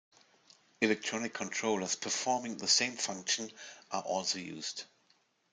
Electronic controllers performing the same function are also used.